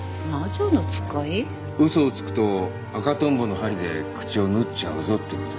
嘘をつくと赤トンボの針で口を縫っちゃうぞってことらしい。